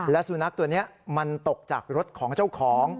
และสุนัขตัวนี้มันตกจากรถของเจ้าของ